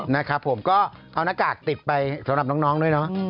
นะครับผมก็เอาหน้ากากติดไปสำหรับน้องด้วยเนาะ